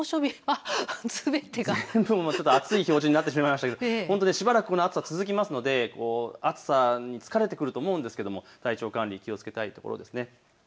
全部暑い表示になってしまいましたがしばらくこの暑さ続きますので暑さに疲れてくると思うんですけど、体調管理気をつけたいところですね。